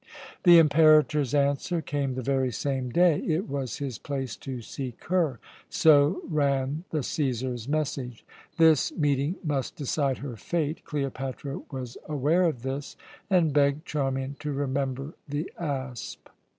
The Imperator's answer came the very same day. It was his place to seek her so ran the Cæsar's message. This meeting must decide her fate. Cleopatra was aware of this, and begged Charmian to remember the asp.